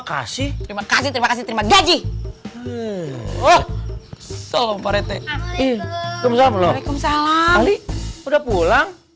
kasih terima kasih terima kasih terima gaji wah soal parete ini belum salam salam udah pulang